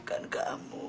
dina gak tau